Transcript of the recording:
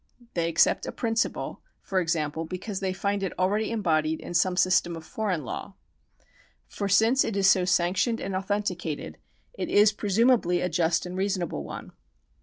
They accept a principle, for example, because they find it already embodied in some system of foreign law. For since it is so sanctioned and authenticated, it is presumably a just and reasonable one.